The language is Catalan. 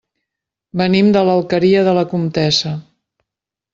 Venim de l'Alqueria de la Comtessa.